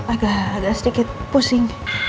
agak sedikit pusing